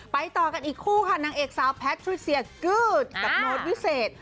ต่อกันอีกคู่ค่ะนางเอกสาวแพทริเซียกื๊ดกับโน้ตวิเศษ